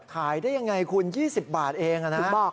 ขายได้ยังไงคุณ๒๐บาทเองนะ